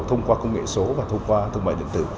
thông qua công nghệ số và thương mại điện tử